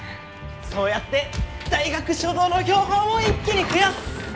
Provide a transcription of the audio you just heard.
そうやって大学所蔵の標本を一気に増やす！